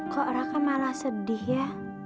kok raka malah sedih ya